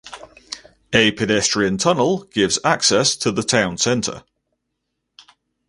A pedestrian tunnel gives access to the town centre.